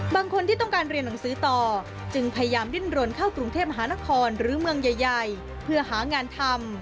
บางคนที่ต้องการเรียนหนังสือต่อ